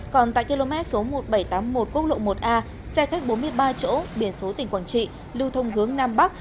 còn tại km một nghìn bảy trăm tám mươi một quốc lộ một a xe khách bốn mươi ba chỗ biển số tỉnh quảng trị lưu thông hướng nam bắc